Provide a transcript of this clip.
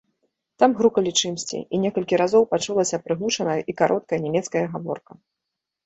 Там грукалі чымсьці, і некалькі разоў пачулася прыглушаная і кароткая нямецкая гаворка.